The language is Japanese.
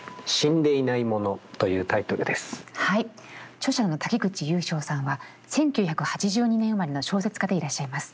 著者の滝口悠生さんは１９８２年生まれの小説家でいらっしゃいます。